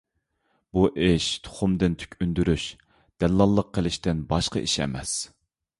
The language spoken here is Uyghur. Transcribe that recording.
بۇ ئىش تۇخۇمدىن تۈك ئۈندۈرۈش، دەللاللىق قىلىشتىن باشقا ئىش ئەمەس.